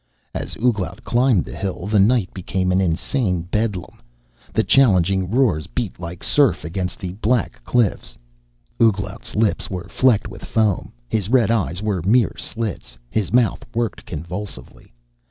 As Ouglat climbed the hill, the night became an insane bedlam. The challenging roars beat like surf against the black cliffs. Ouglat's lips were flecked with foam, his red eyes were mere slits, his mouth worked convulsively.